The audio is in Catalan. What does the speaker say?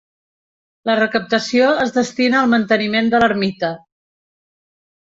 La recaptació es destina al manteniment de l'Ermita.